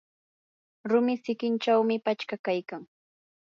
rumi sikinchawmi pachka kaykan.